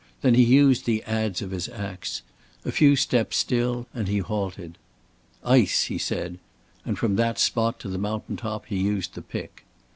Then he used the adz of his ax. A few steps still, and he halted. "Ice," he said, and from that spot to the mountain top he used the pick.